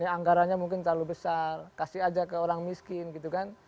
anggarannya mungkin terlalu besar kasih aja ke orang miskin gitu kan